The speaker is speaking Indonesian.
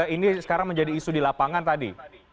ini sekarang menjadi isu di lapangan tadi